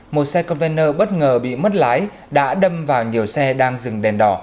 một xe container bất ngờ bị mất lái đã đâm vào nhiều xe đang dừng đèn đỏ